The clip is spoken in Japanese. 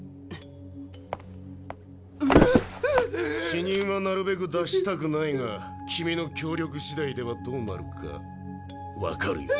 死人はなるべく出したくないが君の協力しだいではどうなるかわかるよな？